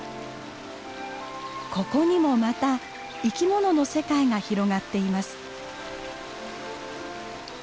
ここにもまた生き物の世界が広がっています。